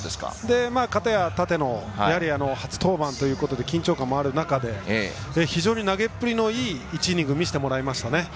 片や立野やはり初登板ということで緊張感もある中で非常に投げっぷりのいい１イニングを見せてもらいましたね。